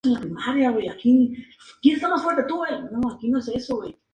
Sin embargo tenía un impedimento para seguir sus instrucciones, no sabía leer ni escribir.